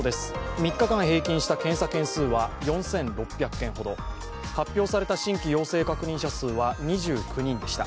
３日間平均した検査件数は４６００件ほど、発表された新規陽性確認者数は２９人でした。